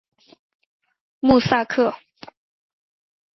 穆萨克。